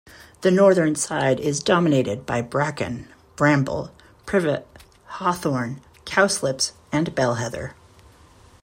The northern side is dominated by bracken, bramble, privet, hawthorn, cowslips and bell heather.